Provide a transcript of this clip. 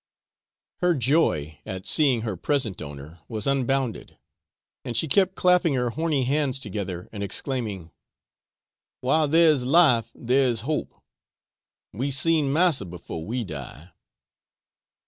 Her joy at seeing her present owner was unbounded, and she kept clapping her horny hands together and exclaiming, 'while there is life there is hope; we seen massa before we die.'